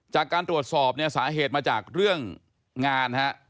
จากการตรวจสอบเนี่ยสาเหตุมาจากเรื่องงานฮะ